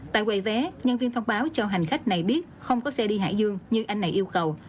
tại quầy vé nhân viên thông báo cho hành khách này biết không có xe đi hải dương như anh này yêu cầu